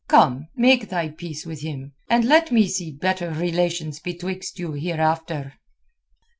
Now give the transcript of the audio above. Come, make thy peace with him, and let me see better relations betwixt you hereafter."